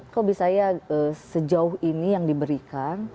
kok bisa ya sejauh ini yang diberikan